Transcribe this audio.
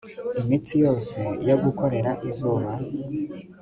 imitsi yose yo gukorera izuba